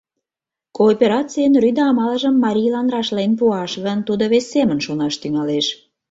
Кооперацийын рӱдӧ амалжым марийлан рашлен пуаш гын, тудо вес семын шонаш тӱҥалеш.